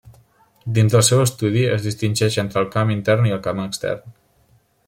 Dins del seu estudi, es distingeix entre el camp intern i el camp extern.